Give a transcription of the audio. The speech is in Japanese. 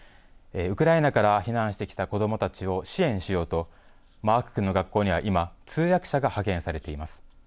ウクライナから避難してきた子どもたちを支援しようと、マーク君の学校には今、通訳者が派遣されています。